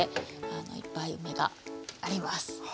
いっぱい梅があります。